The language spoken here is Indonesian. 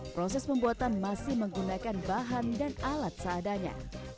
proses pembuatan masih menggunakan bahan dan alat seadanya